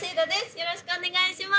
よろしくお願いします！